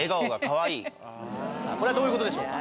これはどういうことでしょうか？